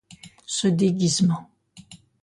Ce déguisement!